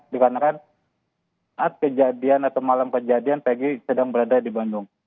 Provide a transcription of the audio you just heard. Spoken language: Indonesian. dikarenakan saat kejadian atau malam kejadian pg sedang berada di bandung